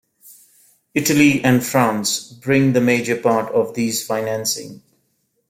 Italy and France bring the major part of these financing.